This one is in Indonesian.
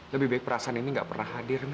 lebih baik perasaan ini gak pernah hadir